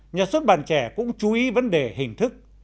nhà xuất bản trẻ cũng chú ý vấn đề hình thức